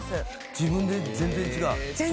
自分で全然違う？